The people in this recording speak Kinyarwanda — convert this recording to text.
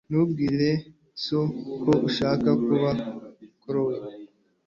Ntubwire so ko ushaka kuba clown.